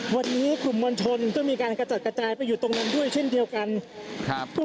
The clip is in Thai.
วันนี้กลุ่มมวลชนก็มีการกระจัดกระจายไปอยู่ตรงนั้นด้วยเช่นเดียวกันครับ